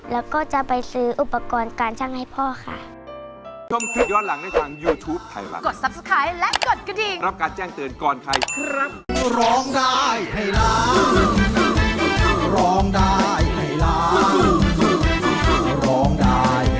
แล้วก็จะไปซื้ออุปกรณ์การช่างให้พ่อค่ะ